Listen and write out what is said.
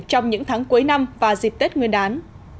trong những tháng cuối năm và dịp tết nguyên đán